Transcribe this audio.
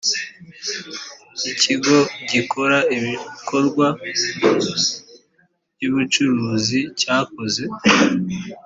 ikigo gikora ibikorwa by ubucuruzi cyakoze